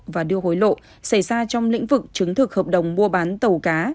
và đưa hối lộ xảy ra trong lĩnh vực chứng thực hợp đồng mua bán tàu cá